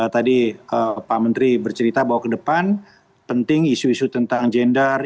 tadi pak menteri bercerita bahwa ke depan penting isu isu tentang gender